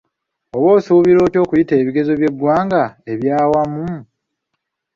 Obasuubira otya okuyita ebigezo by’eggwanga eby’awamu?